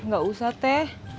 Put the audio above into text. gak usah teh